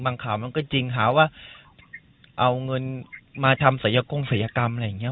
บางข่าวมันก็จริงค่ะว่าเอาเงินมาทำสายกงสายกรรมอะไรอย่างเงี้ย